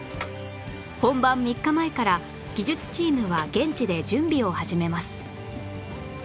本番３日前から技術チームは現地で準備を始めます